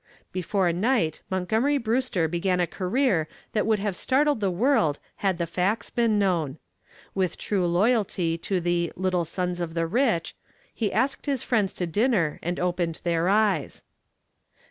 Before night Montgomery Brewster began a career that would have startled the world had the facts been known. With true loyalty to the "Little Sons of the Rich," he asked his friends to dinner and opened their eyes.